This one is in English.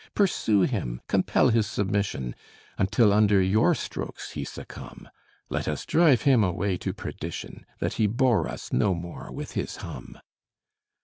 Pursue him; compel his submission, Until under your strokes he succumb. Let us drive him away to perdition, That he bore us no more with his hum.